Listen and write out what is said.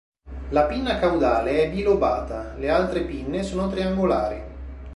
La pinna caudale è bilobata, le altre pinne sono triangolari.